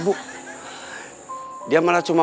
bu dia malah cuma